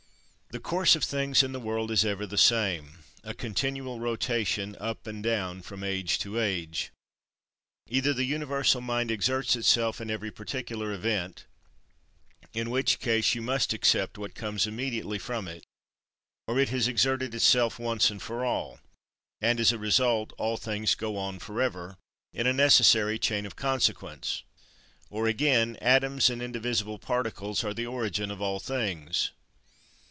28. The course of things in the world is ever the same; a continual rotation; up and down, from age to age. Either the Universal Mind exerts itself in every particular event, in which case you must accept what comes immediately from it: or it has exerted itself once and for all, and, as a result, all things go on for ever, in a necessary chain of consequence: or again atoms and indivisible particles are the origin of all things.